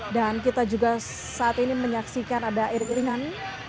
dan kita juga saat ini menyaksikan ada air ringan